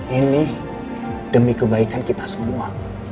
ini demi kebaikan kita semua